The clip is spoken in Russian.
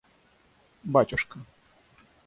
батюшка